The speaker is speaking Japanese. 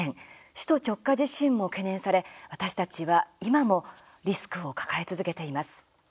首都直下地震も懸念され私たちは今もリスクを抱え続けています。